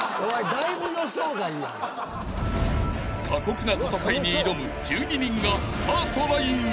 ［過酷な戦いに挑む１２人がスタートラインへ］